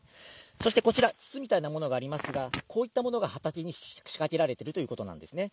そしてこちら、筒みたいなものがありますが、こういったものが畑に仕掛けられているということなんですね。